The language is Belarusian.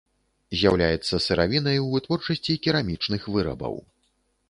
З'яўляецца сыравінай у вытворчасці керамічных вырабаў.